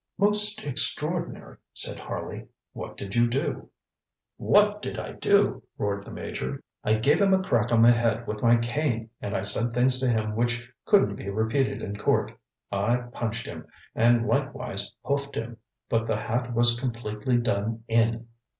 ŌĆ£Most extraordinary, ŌĆØ said Harley. ŌĆ£What did you do? ŌĆØ ŌĆ£What did I do? ŌĆØ roared the Major. ŌĆ£I gave him a crack on the head with my cane, and I said things to him which couldn't be repeated in court. I punched him, and likewise hoofed him, but the hat was completely done in.